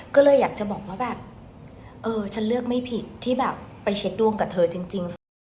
ก็เลยอยากจะบอกว่าแบบเออฉันเลือกไม่ผิดที่แบบไปเช็คดวงกับเธอจริง